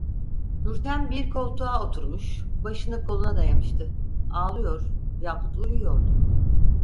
Nurten bir koltuğa oturmuş, başını koluna dayamıştı; ağlıyor, yahut uyuyordu.